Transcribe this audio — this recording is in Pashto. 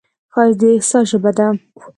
ښایست د احساس ژبه ده